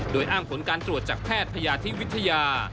โดยอ้างผลการตรวจจากแพทยาธิวิทยา